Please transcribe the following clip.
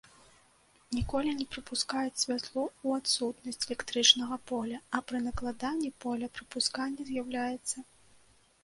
Ніколі не прапускаюць святло ў адсутнасць электрычнага поля, а пры накладанні поля прапусканне з'яўляецца.